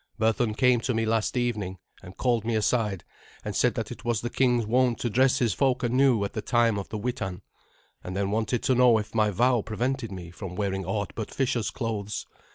Berthun came to me last evening, and called me aside, and said that it was the king's wont to dress his folk anew at the time of the Witan, and then wanted to know if my vow prevented me from wearing aught but fisher's clothes.